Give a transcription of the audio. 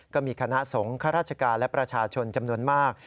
ก็มีคณะสงฆ์ข้าราชการและประชาชนจำนวนมาก